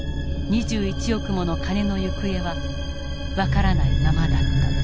２１億もの金の行方は分からないままだった。